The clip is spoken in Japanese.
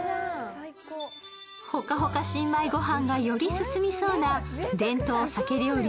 ほかほか新米御飯がより進みそうな、伝統鮭料理